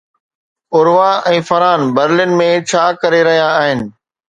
Urwah ۽ Farhan Berlin ۾ ڇا ڪري رهيا آهن؟